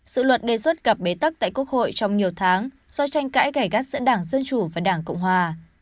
sự luật đề xuất gặp bế tắc tại quốc hội trong nhiều tháng do tranh cãi gảy gắt giữa đảng dân chủ và đảng cộng hòa